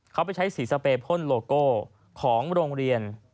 เขาไปใช้สีสเปรพ่นโลโก้ของโรงเรียน